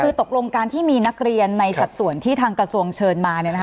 คือตกลงการที่มีนักเรียนในสัดส่วนที่ทางกระทรวงเชิญมา